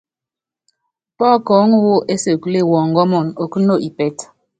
Pɔ́kɔɔ́ŋu wú ésekule wɔngɔmun, okúno ipɛ́tɛ.